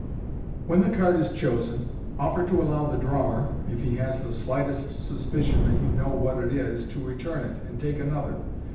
When the card is chosen, offer to allow the drawer, if he has the slightest suspicion that you know what it is, to return it, and take another.